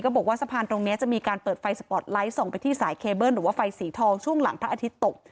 บอกว่าสะพานตรงนี้จะมีการเปิดไฟสปอร์ตไลท์ส่งไปที่สายเคเบิ้ลหรือว่าไฟสีทองช่วงหลังพระอาทิตย์ตก